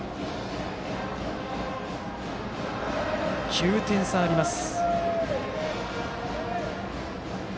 ９点差あります。